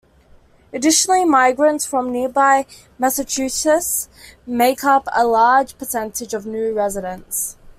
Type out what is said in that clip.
Additionally, migrants from nearby Massachusetts make up a large percentage of new residents.